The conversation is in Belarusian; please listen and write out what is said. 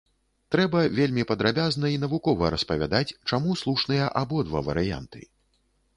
Трэба вельмі падрабязна і навукова распавядаць, чаму слушныя абодва варыянты.